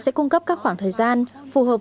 sẽ cung cấp các khoảng thời gian phù hợp